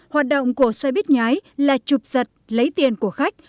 hoạt động của xe bít nhái là chụp giật lấy tiền của khách